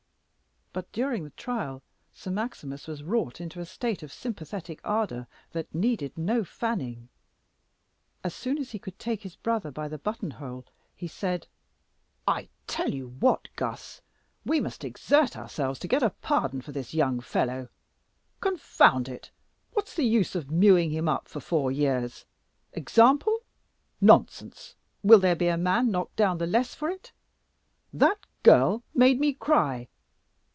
But during the trial Sir Maximus was wrought into a state of sympathetic ardor that needed no fanning. As soon as he could take his brother by the buttonhole, he said "I tell you what, Gus! we must exert ourselves to get a pardon for this young fellow. Confound it! what's the use of mewing him up for four years? Example? Nonsense. Will there be a man knocked down the less for it? That girl made me cry.